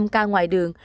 năm ca ngoài đường